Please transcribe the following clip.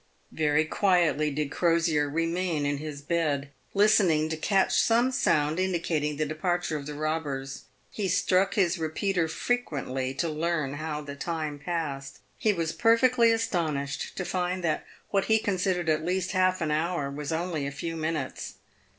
Yery quietly did Crosier remain in his bed, listening to catch some sound indicating the departure of the robbers. He struck his repeater frequently, to learn how the time passed. He was per fectly astonished to find that what he considered at least half an hour was only a few minutes.